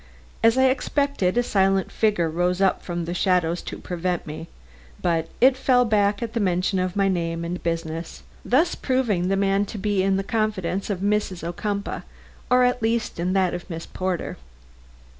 As I expected, a silent figure rose up from the shadows to prevent me; but it fell back at the mention of my name and business, thus proving the man to be in the confidence of Mrs. Ocumpaugh or, at the least, in that of Miss Porter.